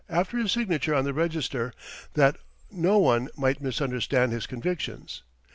after his signature on the register, that no one might misunderstand his convictions.